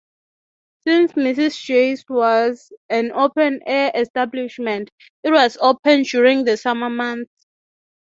Since Mrs. Jay's was an open-air establishment, it was open during the summer months.